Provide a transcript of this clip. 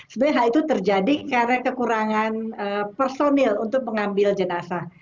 sebenarnya hal itu terjadi karena kekurangan personil untuk mengambil jenazah